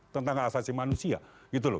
tentang hak asasi manusia gitu loh